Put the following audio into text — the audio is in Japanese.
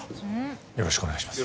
よろしくお願いします。